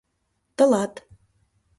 Тылат...